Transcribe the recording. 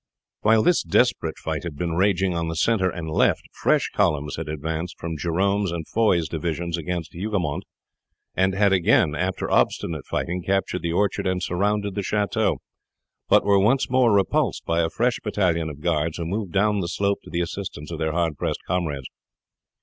While this desperate fight had been raging on the center and left, fresh columns had advanced from Jerome's and Foy's divisions against Hougoumont, and had again, after obstinate fighting, captured the orchard and surrounded the chateau, but were once more repulsed by a fresh battalion of guards who moved down the slope to the assistance of their hardly pressed comrades.